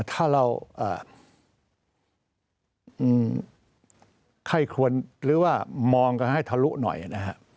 ถ้าเราไข้ควรหรือว่ามองกันให้ทะลุหน่อยนะฮะ